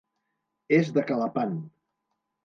És de Calapan.